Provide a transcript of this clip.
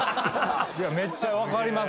めっちゃ分かります。